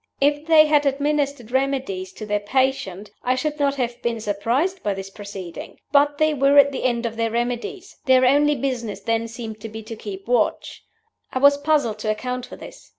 If they had administered remedies to their patient, I should not have been surprised by this proceeding. But they were at the end of their remedies; their only business the seemed to be to keep watch. I was puzzled to account for this.